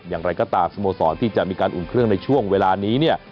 อย่างไรก็ตามสโมสรที่จะมีการอุ่นเครื่องในช่วงเวลานี้เนี่ย